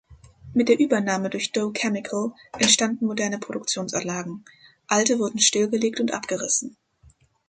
Mit der Übernahme durch Dow Chemical entstanden moderne Produktionsanlagen, alte wurden stillgelegt und abgerissen.